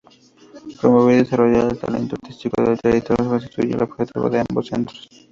Promover y desarrollar el talento artístico del territorio constituye el objetivo de ambos centros.